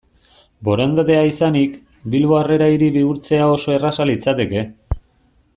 Borondatea izanik, Bilbo Harrera Hiri bihurtzea oso erraza litzateke.